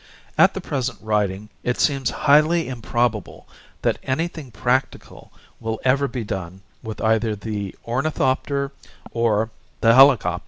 At the present writing, it seems highly improbable that anything practical will ever be done with either the ornithopter or the helicopter.